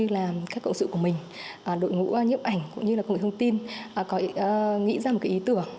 cũng như là các cộng sự của mình đội ngũ nhiễm ảnh cũng như là công nghệ thông tin có nghĩ ra một cái ý tưởng